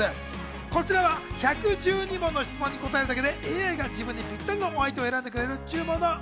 こちらは１１２問の質問に答えるだけでＡＩが自分にぴったりのお相手を選んでくれるというもの。